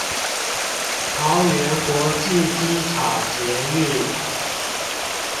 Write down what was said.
桃園國際機場捷運